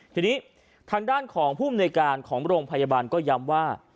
ทีนี้ทางด้านของภูมิในการของโรงพยาบาลก็ย้ำว่า